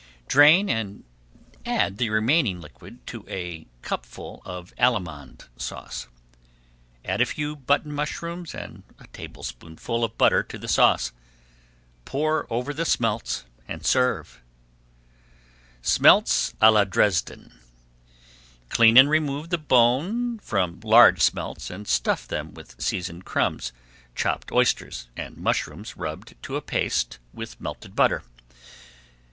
Drain, and add the remaining liquid to a cupful of Allemande Sauce. Add a few button mushrooms and a tablespoonful of butter to the sauce. Pour over the smelts and serve. SMELTS À LA DRESDEN Clean and remove the bone from large smelts and stuff them with seasoned crumbs, chopped oysters, and mushrooms rubbed to a paste with melted butter.